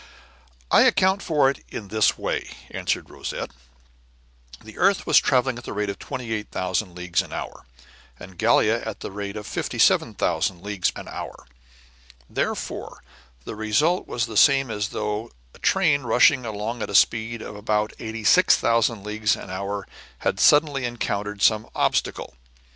"I account for it in this way," answered Rosette: "the earth was traveling at the rate of 28,000 leagues an hour, and Gallia at the rate of 57,000 leagues an hour, therefore the result was the same as though a train rushing along at a speed of about 86,000 leagues an hour had suddenly encountered some obstacle.